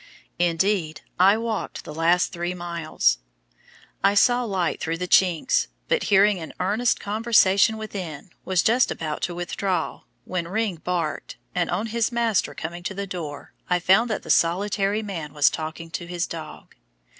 Indeed, I walked the last three miles. I saw light through the chinks but, hearing an earnest conversation within, was just about to withdraw, when "Ring" barked, and on his master coming to the door I found that the solitary man was talking to his dog.